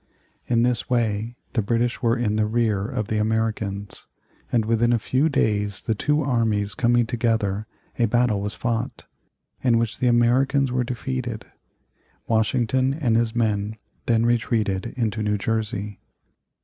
In this way the British were in the rear of the Americans, and within a few days the two armies coming together a battle was fought, in which the Americans were defeated. Washington and his men then retreated into New Jersey.